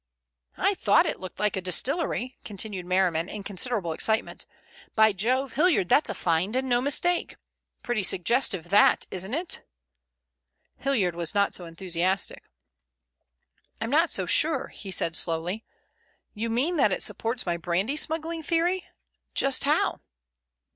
"I thought it looked like a distillery," continued Merriman in considerable excitement. "By Jove! Hilliard, that's a find and no mistake! Pretty suggestive, that, isn't it?" Hilliard was not so enthusiastic. "I'm not so sure," he said slowly. "You mean that it supports my brandy smuggling theory? Just how?"